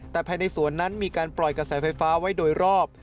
แต่ภายในสวนนั้นมีการปล่อยกระแสไฟฟ้าไว้โดยรอบ